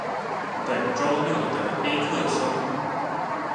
本週六的黑客松